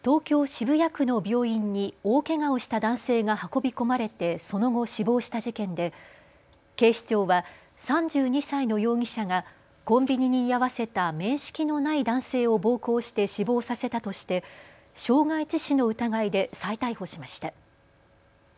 渋谷区の病院に大けがをした男性が運び込まれてその後、死亡した事件で警視庁は３２歳の容疑者がコンビニに居合わせた面識のない男性を暴行して死亡させたとして傷害致死の疑いで再逮捕しました。